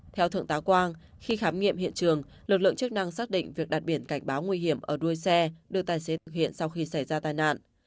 theo thượng tá quang khi khám nghiệm hiện trường lực lượng chức năng xác định việc đặt biển cảnh báo nguy hiểm ở đuôi xe đưa tài xế thực hiện sau khi xảy ra tai nạn